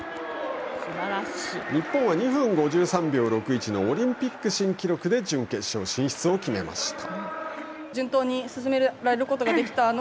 日本は２分５３秒６１のオリンピック新記録で準決勝進出を決めました。